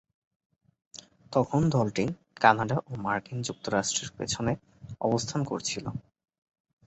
তখন দলটি কানাডা ও মার্কিন যুক্তরাষ্ট্রের পিছনে অবস্থান করছিল।